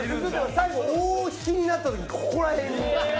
最後大ひきになったときにここらへんに。